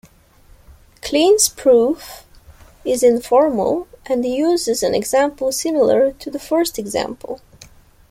Kleene's proof is informal and uses an example similar to the first example.